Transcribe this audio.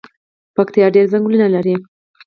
پکتیا ډیر ځنګلونه لري